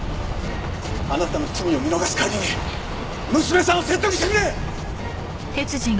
あなたの罪を見逃す代わりに娘さんを説得してくれ！